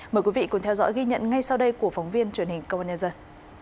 mời quý vị cùng theo dõi ghi nhận ngay sau đây của phóng viên truyền hình công an nhân dân